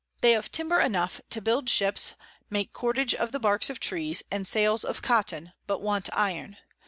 They have Timber enough to build Ships, make Cordage of the Barks of Trees, and Sails of Cotton, but want Iron.